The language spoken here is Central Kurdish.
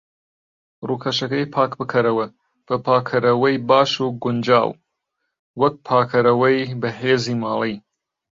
ڕوکەشەکەی پاک بکەرەوە بە پاکەرەوەی باش و گونجاو، وەک پاکەرەوەی بەهێزی ماڵی.